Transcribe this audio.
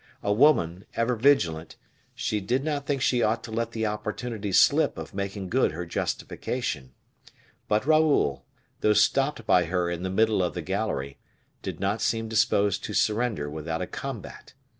A woman, ever vigilant, she did not think she ought to let the opportunity slip of making good her justification; but Raoul, though stopped by her in the middle of the gallery, did not seem disposed to surrender without a combat.